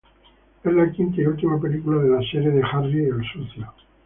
Es la quinta y última película de la serie de Harry el sucio".